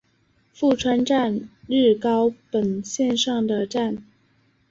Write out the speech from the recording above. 富川站日高本线上的站。